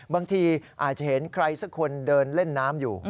บางทีอาจจะเห็นใครสักคนเดินเล่นน้ำอยู่